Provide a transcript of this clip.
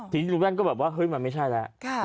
ทีนี้ลุงแว่นก็แบบว่าเฮ้ยมันไม่ใช่แล้ว